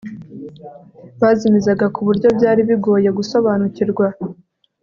bazimizaga ku buryo byari bigoye gusobanukirwa